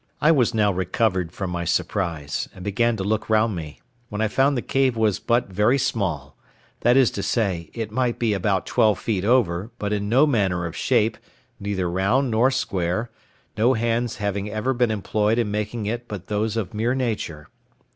I was now recovered from my surprise, and began to look round me, when I found the cave was but very small—that is to say, it might be about twelve feet over, but in no manner of shape, neither round nor square, no hands having ever been employed in making it but those of mere Nature.